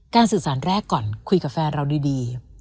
สื่อสารแรกก่อนคุยกับแฟนเราดี